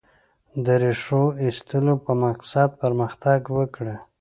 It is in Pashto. د ریښو ایستلو په مقصد پرمختګ وکړي.